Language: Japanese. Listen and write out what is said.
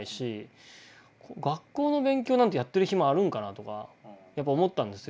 学校の勉強なんてやってる暇あるんかなとか思ったんですよ。